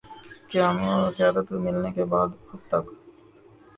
قیادت ملنے کے بعد اب تک